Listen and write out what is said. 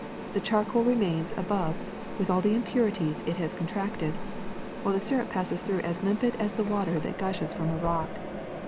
The char coal remains above with all the impurities it has con tracted, while the syrup passes through as limpid as the water that gushes from a rock.